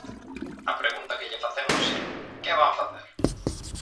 A pregunta que lle facemos é ¿que van facer?